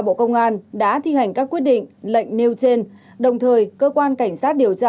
bộ công an đã thi hành các quyết định lệnh nêu trên đồng thời cơ quan cảnh sát điều tra